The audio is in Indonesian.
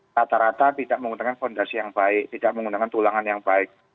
rata rata tidak menggunakan fondasi yang baik tidak menggunakan tulangan yang baik